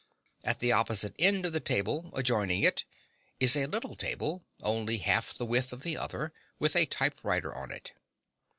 At the opposite end of the table, adjoining it, is a little table; only half the width of the other, with a typewriter on it.